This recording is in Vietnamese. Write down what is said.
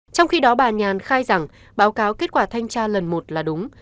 trong khi đó bà nhàn khai rằng báo cáo kết quả thanh tra lần một là đúng